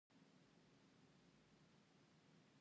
يوه سترګه او دوه سترګې